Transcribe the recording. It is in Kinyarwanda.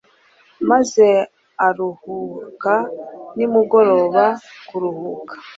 maze aruhuka nimugoroba kuruhuka